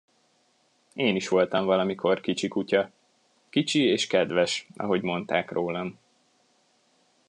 Én is voltam valamikor kicsi kutya, kicsi és kedves, ahogy mondták rólam.